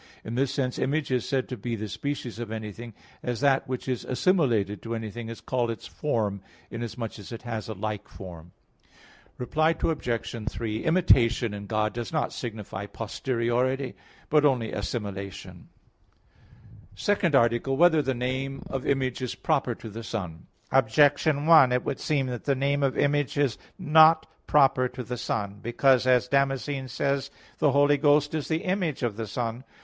In this sense image is said to be the species of anything, as that which is assimilated to anything is called its form, inasmuch as it has a like form. Reply Obj. 3: Imitation in God does not signify posteriority, but only assimilation. _______________________ SECOND ARTICLE [I, Q. 35, Art. 2] Whether the Name of Image Is Proper to the Son? Objection 1: It would seem that the name of Image is not proper to the Son; because, as Damascene says (De Fide Orth. i, 18), "The Holy Ghost is the Image of the Son."